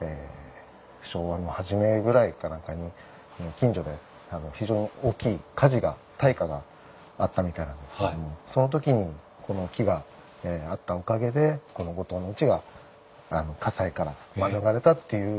昭和の初めぐらいか何かに近所で非常に大きい火事が大火があったみたいなんですけどその時にこの木があったおかげでこの後藤のうちが火災から免れたっていう。